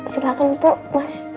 silahkan puk mas